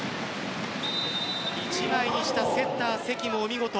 １枚にしたセッター・関もお見事。